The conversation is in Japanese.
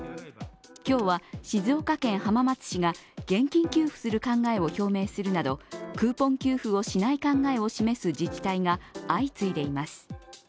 今日は静岡県浜松市が現金給付する考えを表明するなどクーポン給付をしない考えを示す自治体が相次いでいます。